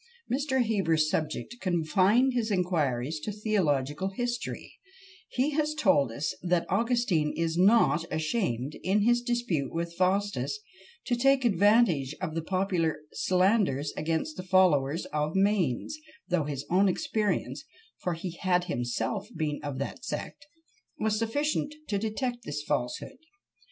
Mr. Heber's subject confined his inquiries to theological history; he has told us that "Augustin is not ashamed, in his dispute with Faustus, to take advantage of the popular slanders against the followers of Manes, though his own experience (for he had himself been of that sect) was sufficient to detect this falsehood."